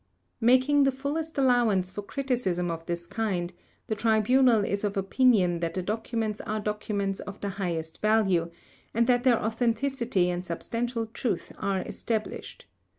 Making the fullest allowance for criticism of this kind, the Tribunal is of opinion that the documents are documents of the highest value, and that their authenticity and substantial truth are established.